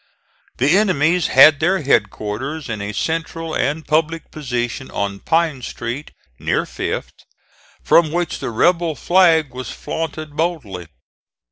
The enemies had their head quarters in a central and public position on Pine Street, near Fifth from which the rebel flag was flaunted boldly.